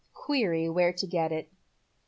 Query, where to get it ?